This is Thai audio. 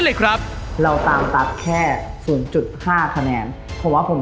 โอ้โห